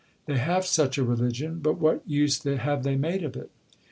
They have such a religion, but what use have they made of it?